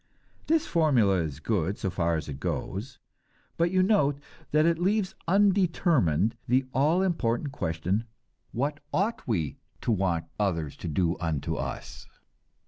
This formula is good so far as it goes, but you note that it leaves undetermined the all important question, what ought we to want others to do unto us.